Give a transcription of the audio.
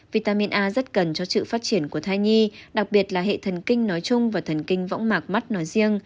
vitamin a rất cần cho sự phát triển của thai nhi đặc biệt là hệ thần kinh nói chung và thần kinh võng mạc mắt nói riêng